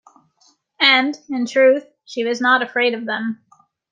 And, in truth, she was not afraid of them.